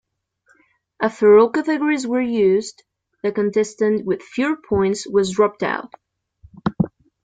After all categories were used, the contestant with fewer points was dropped out.